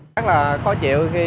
rất là khó chịu